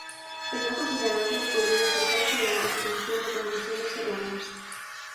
El no considerarlo podría ser causa de la obtención de conclusiones erróneas.